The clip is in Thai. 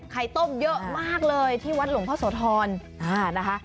ไข่ต้มเยอะมากเลยที่วัดหลวงพ่อโสธร